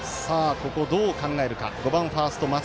ここどう考えるか。